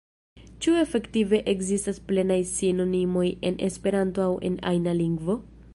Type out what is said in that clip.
Ĉu efektive ekzistas plenaj sinonimoj en Esperanto aŭ en ajna lingvo?